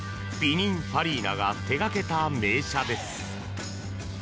ピニンファリーナが手掛けた名車です。